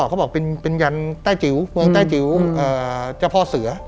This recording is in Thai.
เขาบอกเป็นยันใต้จิ๋วจ้าพ่อเสือ